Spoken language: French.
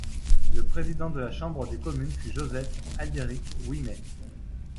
Le Président de la Chambre des communes fut Joseph-Aldéric Ouimet.